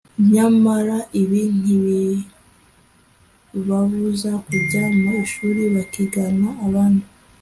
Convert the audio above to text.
nyamara ibi ntibibabuza kujya mu ishuri bakigana n’abandi